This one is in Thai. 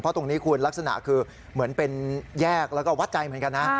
เพราะตรงนี้คุณลักษณะคือเหมือนเป็นแยกแล้วก็วัดใจเหมือนกันนะ